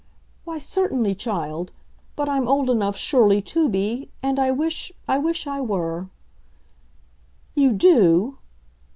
"Why, certainly, child. But I'm old enough, surely, to be, and I wish I wish I were." "You do!"